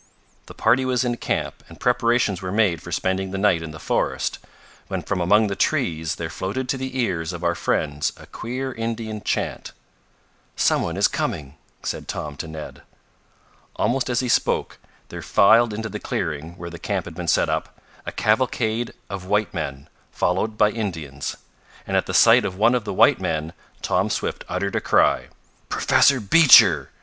The party was in camp, and preparations were made for spending the night in the forest, when from among the trees there floated to the ears of our friends a queer Indian chant. "Some one is coming," said Tom to Ned. Almost as he spoke there filed into the clearing where the camp had been set up, a cavalcade of white men, followed by Indians. And at the sight of one of the white men Tom Swift uttered a cry. "Professor Beecher!"